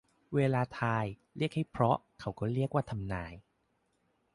เวลาทาย เรียกให้เพราะเขาก็เรียกว่าทำนาย